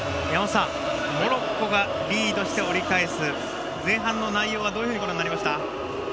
モロッコがリードして折り返す前半の内容はどういうふうにご覧になりました。